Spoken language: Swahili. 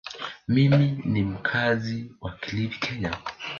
Mimi ni mkazi wa Kilifi, Kenya.